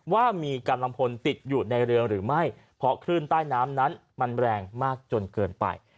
ว่ามีกำลังพลติดอยู่ในเรือหรือไม่เพราะคลื่นใต้น้ำนั้นมันแรงมากจนเกินไป